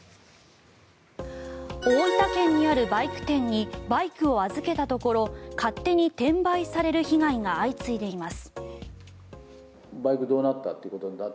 大分県にあるバイク店にバイクを預けたところ勝手に転売される被害が相次いでいます。